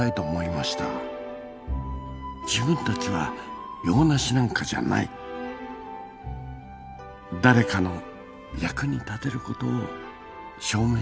自分たちは用なしなんかじゃない誰かの役に立てる事を証明したかったんです。